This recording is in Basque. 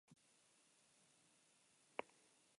Uste dut ezin dudala esan.